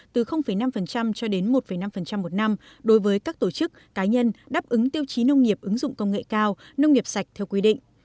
từ năm cho đến một năm một năm đối với các tổ chức cá nhân đáp ứng tiêu chí nông nghiệp ứng dụng công nghệ cao nông nghiệp sạch theo quy định